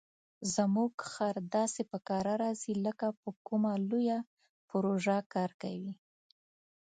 زموږ خر داسې په کراره ځي لکه په کومه لویه پروژه کار کوي.